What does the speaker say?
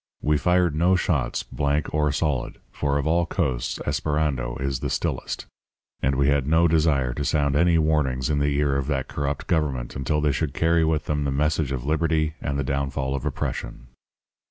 We fired no shots, blank or solid, for of all coasts Esperando is the stillest; and we had no desire to sound any warnings in the ear of that corrupt government until they should carry with them the message of Liberty and the downfall of Oppression.